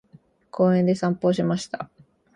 公園で散歩をしました。